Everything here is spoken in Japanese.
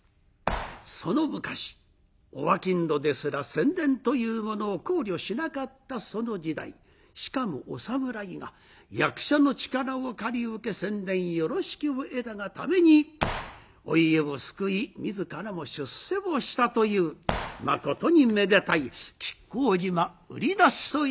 その昔お商人ですら宣伝というものを考慮しなかったその時代しかもお侍が役者の力を借り受け宣伝よろしきを得たがためにお家を救い自らも出世をしたというまことにめでたい「亀甲縞売出し」という一席